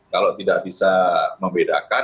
kalau tidak bisa membedakan